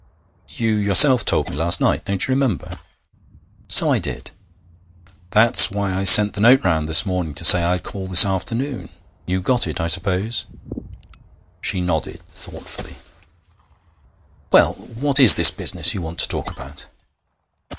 'You yourself told me last night don't you remember?' 'So I did.' 'That's why I sent the note round this morning to say I'd call this afternoon. You got it, I suppose?' She nodded thoughtfully. 'Well, what is this business you want to talk about?'